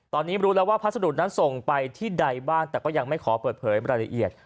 ตอนนี้รู้แล้วว่าพัสดุนั้นส่งไปที่ใดบ้างแต่ก็ยังไม่ขอเปิดเผยรายละเอียด